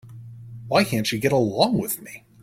Why can't she get along with me?